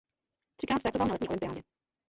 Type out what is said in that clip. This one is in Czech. Třikrát startoval na letní olympiádě.